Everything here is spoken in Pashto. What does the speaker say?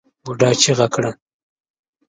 بوډا چيغه کړه!